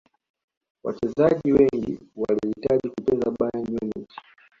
wachezaji wengi walihitaji kucheza bayern munich